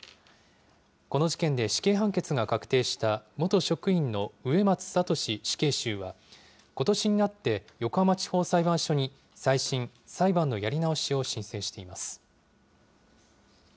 この事件で死刑判決が確定した、元職員の植松聖死刑囚は、ことしになって、横浜地方裁判所に再審・裁判のやり直しを申請しています。